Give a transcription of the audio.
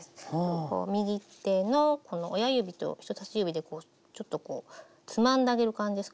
こう右手のこの親指と人さし指でちょっとこうつまんであげる感じですかね。